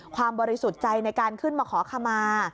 บริสุทธิ์ใจในการขึ้นมาขอขมา